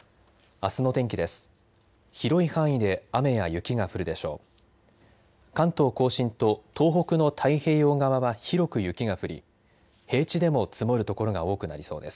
あすの天気です。